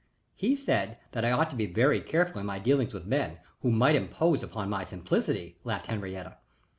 "He said that I ought to be very careful in my dealings with men, who might impose upon my simplicity," laughed Henriette.